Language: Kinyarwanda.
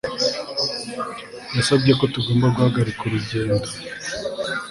Yasabye ko tugomba guhagarika urugendo